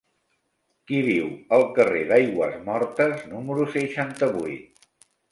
Qui viu al carrer d'Aigüesmortes número seixanta-vuit?